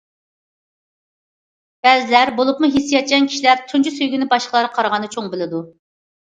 بەزىلەر، بولۇپمۇ ھېسسىياتچان كىشىلەر تۇنجى سۆيگۈنى باشقىلارغا قارىغاندا چوڭ بىلىدۇ.